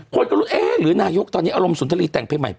คนก็รู้เอ๊ะหรือนายกตอนนี้อารมณ์สุนทรีแต่งเพลงใหม่